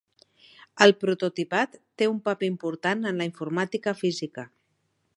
El prototipat té un paper important en la informàtica física.